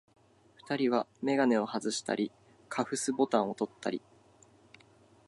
二人はめがねをはずしたり、カフスボタンをとったり、